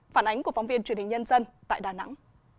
phản ánh của phóng viên truyền hình nhân dân tại đà nẵng